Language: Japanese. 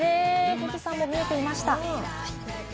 富士山も見えていました。